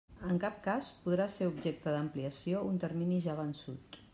En cap cas podrà ser objecte d'ampliació, un termini ja vençut.